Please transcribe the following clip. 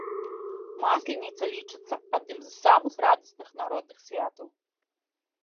Масленіца лічыцца адным з самых радасных народных святаў.